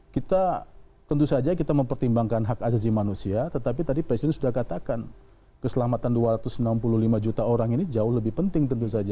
kita tentu saja kita mempertimbangkan hak asasi manusia tetapi tadi presiden sudah katakan keselamatan dua ratus enam puluh lima juta orang ini jauh lebih penting tentu saja